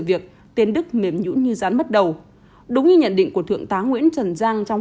việc tiến đức mềm nhũ như gián mất đầu đúng như nhận định của thượng tá nguyễn trần giang trong